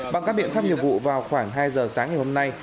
bằng các biện pháp nghiệp vụ vào khoảng hai giờ sáng ngày hôm nay